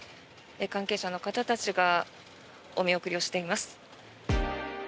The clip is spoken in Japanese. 関係者の方たちがお見送りをしています。